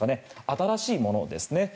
新しいものですね。